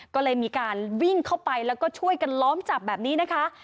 ก็เลยมีการวิ่งเข้าไปแล้วก็ช่วยกันล้อมจับแบบนี้นะคะ